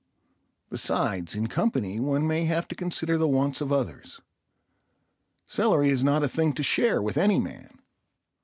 Besides, in company one may have to consider the wants of others. Celery is not a thing to share with any man.